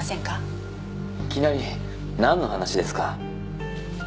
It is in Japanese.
いきなりなんの話ですか？